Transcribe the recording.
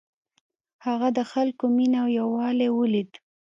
هغه د خلکو مینه او یووالی ولید.